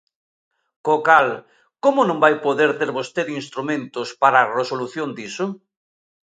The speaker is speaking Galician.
Co cal, ¿como non vai poder ter vostede instrumentos para a resolución diso?